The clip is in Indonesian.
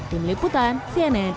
di meliputan cnn indonesia